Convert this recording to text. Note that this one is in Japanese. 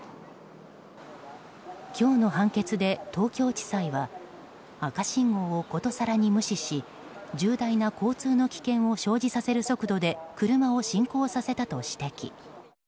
今日の判決で東京地裁は赤信号を殊更に無視し重大な交通の危険を生じさせる速度で車を進行させたと指摘。